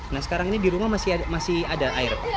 nah sekarang ini di rumah masih ada air pak